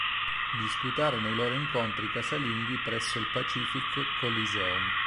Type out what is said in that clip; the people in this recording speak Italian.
Disputarono i loro incontri casalinghi presso il Pacific Coliseum.